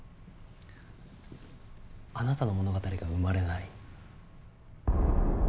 あなたの物語が生まれない。